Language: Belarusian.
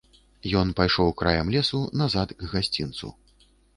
Ён пайшоў краем лесу назад к гасцінцу.